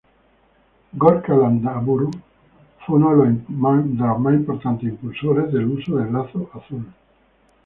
Gorka Landaburu fue uno de los más importantes impulsores del uso del lazo azul.